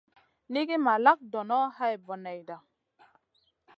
Nigi ma lak donoʼ hay boneyda.